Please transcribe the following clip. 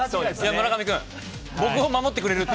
村上君、僕を守ってくれるっ